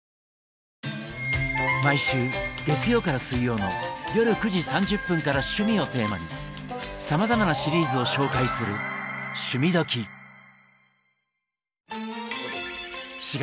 毎週月曜から水曜の夜９時３０分から趣味をテーマにさまざまなシリーズを紹介する「趣味どきっ！」。